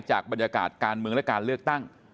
จากบรรยากาศการเมืองและการเลือกตั้ง